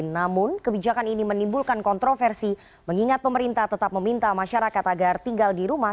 namun kebijakan ini menimbulkan kontroversi mengingat pemerintah tetap meminta masyarakat agar tinggal di rumah